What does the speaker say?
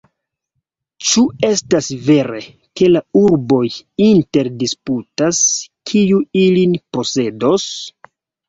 Ĉu estas vere, ke la urboj interdisputas, kiu ilin posedos?